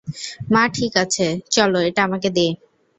মা ঠিক আছে চল এটা আমাকে দে।